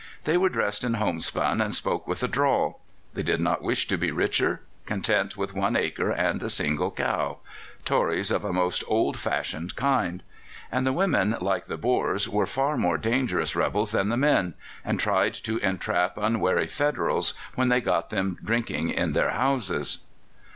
They were dressed in homespun and spoke with a drawl. They did not wish to be richer, content with one acre and a single cow Tories of a most old fashioned kind; and the women, like the Boers, were far more dangerous rebels than the men, and tried to entrap unwary Federals when they got them drinking in their houses.